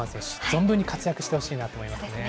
存分に活躍してほしいなと思いますね。